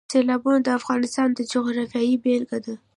سیلابونه د افغانستان د جغرافیې بېلګه ده.